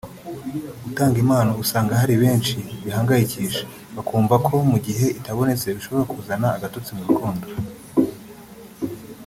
Gutanga impano usanga hari benshi bihangayikisha bakumva ko mu gihe itabonetse bishobora kuzana agatotsi mu rukundo